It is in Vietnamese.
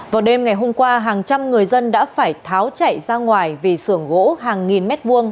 vào đêm ngày hôm qua hàng trăm người dân đã phải tháo chảy ra ngoài vì sưởng gỗ hàng nghìn mét vuông